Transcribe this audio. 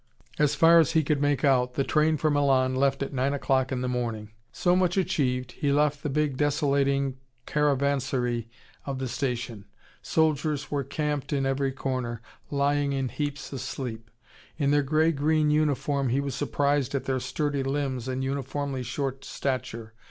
As far as he could make out, the train for Milan left at 9:00 in the morning. So much achieved, he left the big desolating caravanserai of the station. Soldiers were camped in every corner, lying in heaps asleep. In their grey green uniform, he was surprised at their sturdy limbs and uniformly short stature.